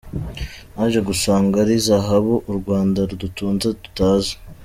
Naje gusanga ari zahabu u Rwanda dutunze tutazi.